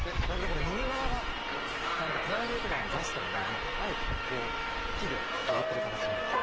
これ右側がちゃんとプライベート感を出すためにあえてここを木で覆ってる形なんです。